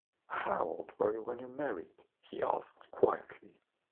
“How old were you when you married?” he asked quietly.